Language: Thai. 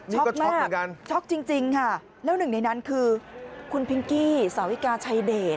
ช็อคมากช็อคจริงค่ะแล้วหนึ่งในนั้นคือคุณพิ้งกี้สาวิกาชัยเดช